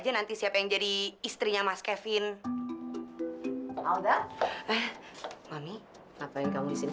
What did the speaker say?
eh mami ngapain kamu di sini